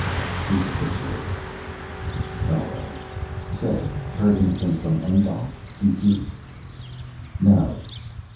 He capitulated. ALL RIGHT SAY HEARD ANYTHING FROM ENGDAHL Q Q "No."